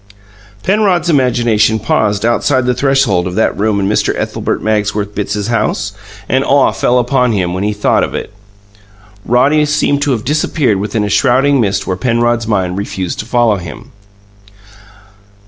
Penrod's imagination paused outside the threshold of that room in Mr. Ethelbert Magsworth Bitts' house, and awe fell upon him when he thought of it. Roddy seemed to have disappeared within a shrouding mist where Penrod's mind refused to follow him.